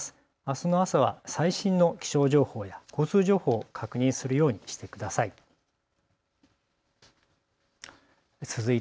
あすの朝は最新の気象情報や交通情報を確認するようにしてください。